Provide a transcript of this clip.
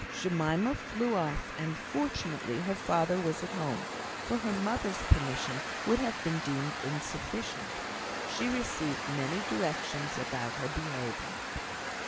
Jemima flew off; and fortunately her father was at home; for her mother's permission would have been deemed insufficient. She received many directions about her behaviour.